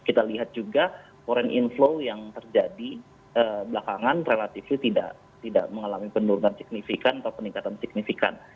kita lihat juga foreign inflow yang terjadi belakangan relatif tidak mengalami penurunan signifikan atau peningkatan signifikan